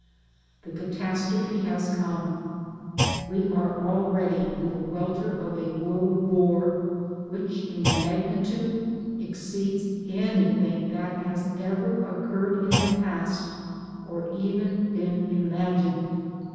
The Catastrophe has come. We are already in the welter of a iWorld war which in magnitude exceeds anything that has ever occurred in the past, or even been imagined.